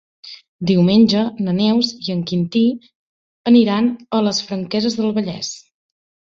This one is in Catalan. Diumenge na Neus i en Quintí aniran a les Franqueses del Vallès.